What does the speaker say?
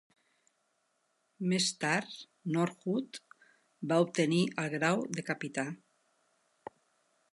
Més tard Norwood va obtenir el grau de capità.